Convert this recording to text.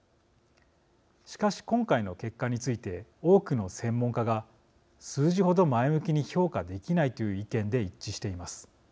しかし、今回の結果について多くの専門家が数字ほど前向きに評価できないという意見で一致しています。